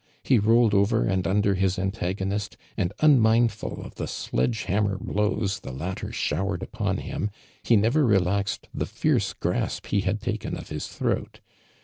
Ilo rolled over ;ind under his antagonist, and unmindful of the sledge hammer Mows the lattor .shower ed njton him, he never relaxed the fiorco grasp he had taken of his throat.